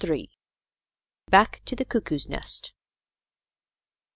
BACK TO THE CUCKOO'S NEST.